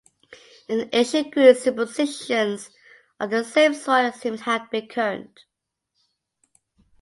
In ancient Greece superstitions of the same sort seem to have been current.